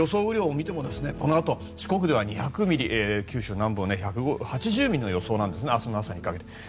雨量を見てもこのあと四国では２００ミリ九州南部１８０ミリの予想です明日の朝にかけて。